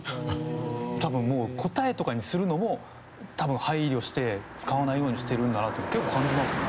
多分もう答えとかにするのも多分配慮して使わないようにしてるんだなっていうのを結構感じますね。